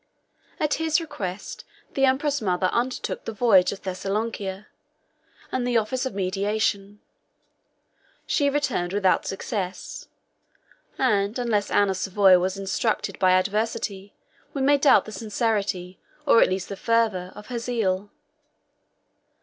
At his request the empress mother undertook the voyage of Thessalonica, and the office of mediation: she returned without success; and unless Anne of Savoy was instructed by adversity, we may doubt the sincerity, or at least the fervor, of her zeal.